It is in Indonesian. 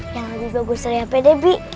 yang lagi bagus dari hp debbie